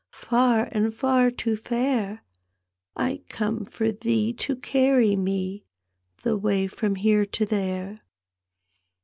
Far and far to fare! I come for thee to carry me The toay from here to there.